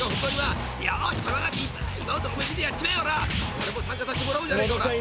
俺も参加させてもらおうじゃねえか］